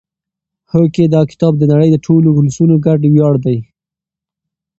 هوکې دا کتاب د نړۍ د ټولو ولسونو ګډ ویاړ دی.